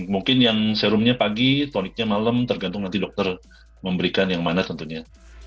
mungkin yang serumnya pagi toniknya malam tergantung nanti dokter memberikan yang mana tentunya